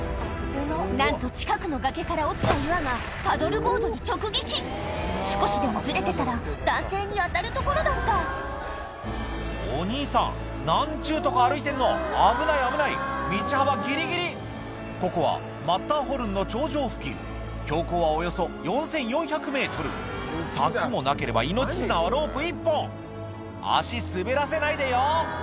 なんと近くの崖から落ちた岩がパドルボードに直撃少しでもズレてたら男性に当たるところだったお兄さん何ちゅうとこ歩いてんの危ない危ない道幅ギリギリここは柵もなければ命綱はロープ１本足滑らせないでよ